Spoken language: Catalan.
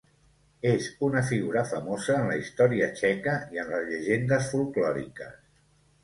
És una figura famosa en la història txeca i en les llegendes folklòriques.